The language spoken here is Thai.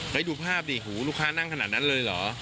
ดูภาพดิหูลูกค้านั่งขนาดนั้นเลยเหรอ